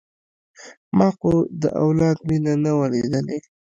ما خو د اولاد مينه نه وه ليدلې.